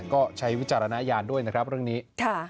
ก็ใช้วิจารณญาณด้วยนะครับเรื่องนี้